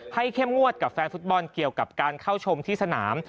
เข้มงวดกับแฟนฟุตบอลเกี่ยวกับการเข้าชมที่สนาม